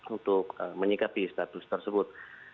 untuk menyikapi status tersebut